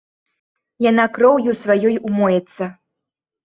Яна кроўю сваёй умоецца.